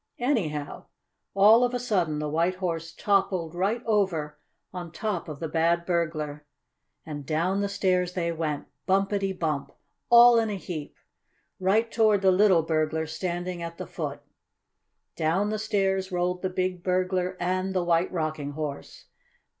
Anyhow, all of a sudden the White Horse toppled right over on top of the bad burglar, and down the stairs they went, bumpity bump! all in a heap, right toward the little burglar standing at the foot. Down the stairs rolled the big burglar and the White Rocking Horse.